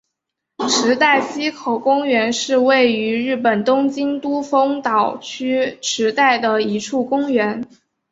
池袋西口公园是位于日本东京都丰岛区池袋的一处公园。